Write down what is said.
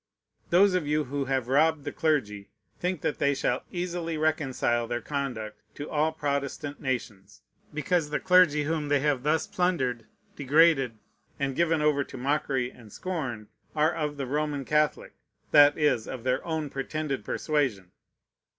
Those of you who have robbed the clergy think that they shall easily reconcile their conduct to all Protestant nations, because the clergy whom they have thus plundered, degraded, and given over to mockery and scorn, are of the Roman Catholic, that is, of their own pretended persuasion.